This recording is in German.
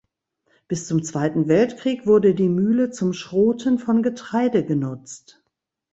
Bis zum Zweiten Weltkrieg wurde die Mühle zum Schroten von Getreide genutzt.